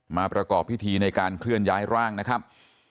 ประกอบพิธีในการเคลื่อนย้ายร่างนะครับ